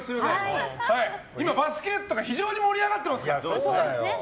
今バスケットが非常に盛り上がってますから。